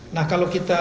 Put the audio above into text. nah kalau kita lihat